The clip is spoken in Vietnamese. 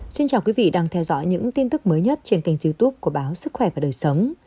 xin chào quý vị đang theo dõi những tin tức mới nhất trên kênh youtube của báo sức khỏe và đời sống